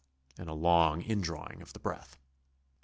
and a long indrawing of the breath.